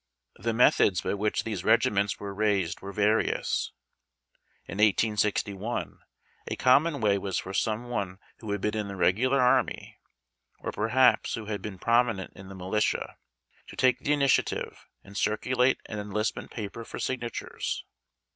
The methods by which these regiments were raised w'ere various. In 1861 a common way was for some one who had been in the regular army, or perhaps who had been prominent in the militia, to take the initiative and circulate an enlistment paper for signatures.